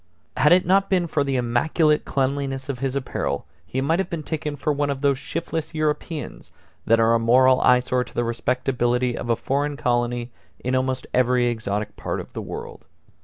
Had it not been for the immaculate cleanliness of his apparel he might have been taken for one of those shiftless Europeans that are a moral eyesore to the respectability of a foreign colony in almost every exotic part of the world.